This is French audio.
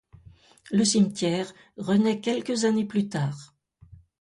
Le cimetière renaît quelques années plus tard.